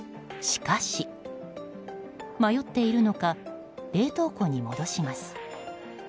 しかし迷っているのか冷凍庫に戻します。